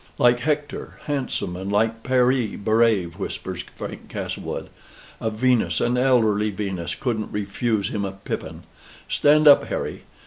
"Like Hector, handsome, and like Paris, brave!" whispers Frank Castlewood. "A Venus, an elderly Venus, couldn't refuse him a pippin. Stand up, Harry.